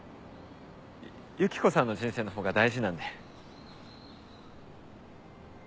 ユキコさんの人生のほうが大事なんで。